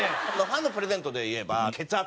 ファンのプレゼントでいえば血圧計。